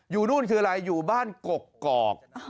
อยู่นู่นคืออะไรอยู่บ้านกกอก